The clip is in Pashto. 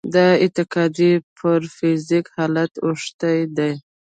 دا اعتقاد پر فزيکي حالت اوښتی دی.